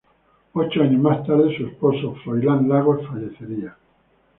Ocho años más tarde, su esposo Froilán Lagos fallecería.